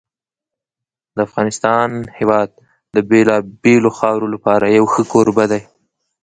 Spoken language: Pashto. د افغانستان هېواد د بېلابېلو خاورو لپاره یو ښه کوربه دی.